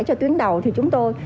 cho tuyến đầu thì chúng tôi